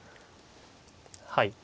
はい。